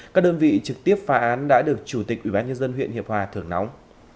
các đơn vị trực tiếp phá án đã được chủ tịch ủy ban nhân dân huyện hiệp hòa thường nóng